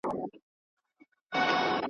پر نړۍ چي هر لوی نوم دی هغه ما دی زېږولی !.